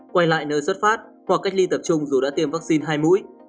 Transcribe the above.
quay lại nơi xuất phát hoặc cách ly tập trung dù đã tiêm vắc xin hai mũi